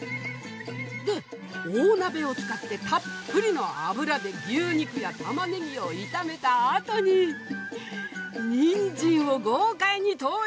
で大鍋を使ってたっぷりの油で牛肉やたまねぎを炒めたあとにニンジンを豪快に投入！